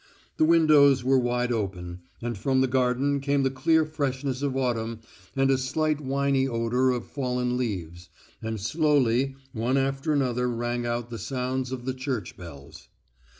The windows were wide open, and from the garden came the clear freshness of autumn and a slight winey odour of fallen leaves, and slowly one after another rang out the sounds of the church bells.